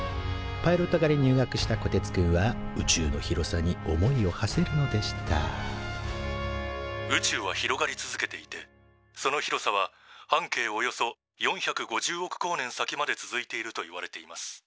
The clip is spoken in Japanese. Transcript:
パイロット科に入学したこてつくんは宇宙の広さに思いをはせるのでした「宇宙は広がり続けていてその広さは半径およそ４５０億光年先まで続いているといわれています」。